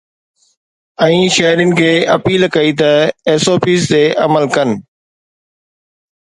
۽ شهرين کي اپيل ڪئي ته ايس او پيز تي عمل ڪن